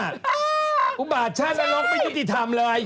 กูบาดชาติและร้องไม่อยู่ที่ทำเลย